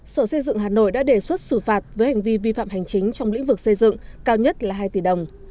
sở xây dựng hà nội đã đề xuất xử phạt với hành vi vi phạm hành chính trong lĩnh vực xây dựng cao nhất là hai tỷ đồng